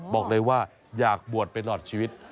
บอกเลยว่าอยากบวชไปตลอดชีวิต